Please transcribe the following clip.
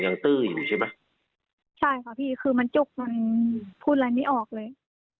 ตื้ออยู่ใช่ไหมใช่ค่ะพี่คือมันจุกมันพูดอะไรไม่ออกเลย